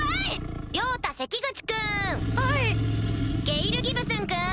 ゲイル・ギブスンくん。